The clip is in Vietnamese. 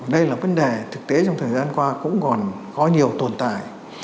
đây là vấn đề thực tế trong thời gian qua cũng còn có nhiều tồn tại